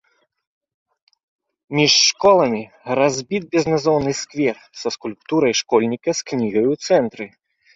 Між школамі разбіт безназоўны сквер са скульптурай школьніка з кнігай у цэнтры.